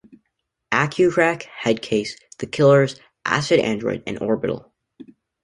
Acucrack, Headcase, The Killers, Acid Android, and Orbital.